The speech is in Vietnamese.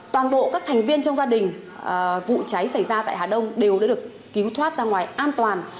toàn bộ các thành viên trong gia đình vụ cháy xảy ra tại hà đông đều đã được cứu thoát ra ngoài an toàn